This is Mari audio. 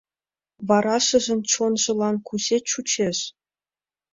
Варашыжын чонжылан кузе чучеш?